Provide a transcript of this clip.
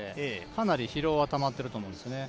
かなり疲労はたまっていると思うんですね。